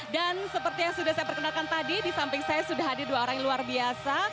dan seperti yang sudah saya perkenalkan tadi di samping saya sudah hadir dua orang yang luar biasa